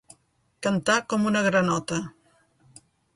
Cantar com una granota.